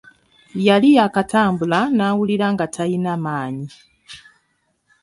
Yali yaakatambula n'awulira nga talina maanyi.